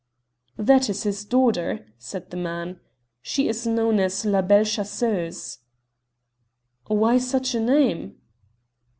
"That is his daughter," said the man. "She is known as La Belle Chasseuse." "Why such a name?"